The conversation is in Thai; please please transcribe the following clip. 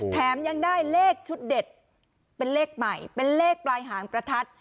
แถมยังได้เลขชุดเด็ดเป็นเลขใหม่เป็นเลขปลายหางประทัด